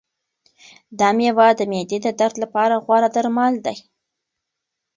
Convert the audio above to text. دا مېوه د معدې د درد لپاره غوره درمل دی.